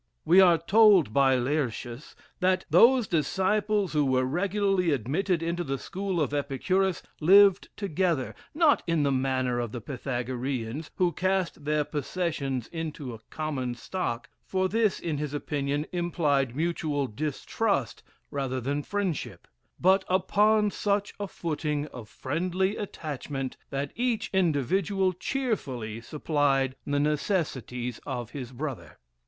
We are told by Laertius, "That those disciples who were regularly admitted into the school of Epicurus, lived together, not in the manner of the Pythagoreans, who cast their possessions into a common stock; for this, in his opinion, implied mutual distrust rather than friendship; but upon such a footing of friendly attachment, that each individual cheerfully supplied the necessities of his brother."